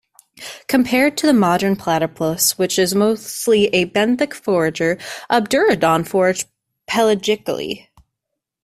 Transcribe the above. Compared to the modern platypus, which is a mostly benthic forager, "Obdurodon" foraged "pelagically".